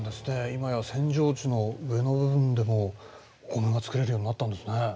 今や扇状地の上の部分でもお米が作れるようになったんですね。